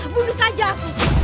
bunuh saja aku